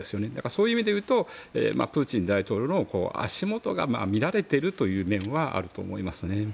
そういう意味でいうとプーチン大統領の足元が見られているという面はあると思います。